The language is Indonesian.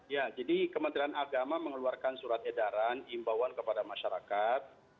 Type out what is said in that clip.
ya jadi kementerian agama mengeluarkan surat edaran imbauan kepada masyarakat